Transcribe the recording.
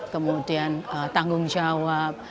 kemudian tanggung jawab